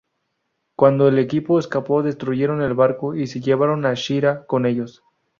Cuando el equipo escapó, destruyeron el barco y se llevaron a Shira con ellos.